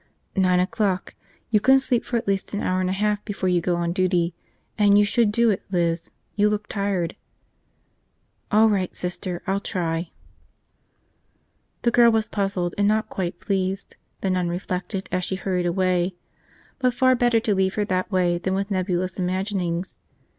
"Nine o'clock. You can sleep for at least an hour and a half before you go on duty. And you should do it, Liz, you look tired." "All right, Sister, I'll try." The girl was puzzled and not quite pleased, the nun reflected as she hurried away. But far better to leave her that way than with nebulous imaginings.